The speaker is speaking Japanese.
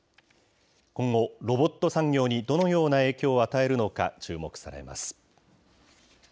今後、ロボット産業にどのような影響を与えるのか注目されます。